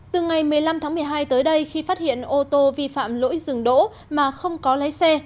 từ ngày một mươi năm tháng một mươi hai tới đây khi phát hiện ô tô vi phạm lỗi dừng đỗ mà không có lái xe